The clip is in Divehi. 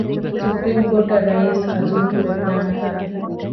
ސުޕްރީމް ކޯޓަށް ރައީސް އަޒުލް ކުރެވިދާނެތަ؟